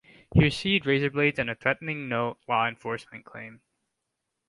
He received razor blades and a threatening note law enforcement claim.